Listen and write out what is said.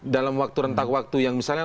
dalam waktu rentang waktu yang misalnya